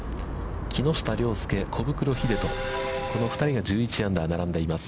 木下稜介、小袋秀人、この２人が１１アンダー、並んでいます。